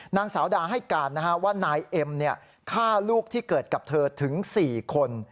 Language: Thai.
นางสาวดาให้การว่านายเอ็มฆ่าลูกที่เกิดกับเธอถึง๔คน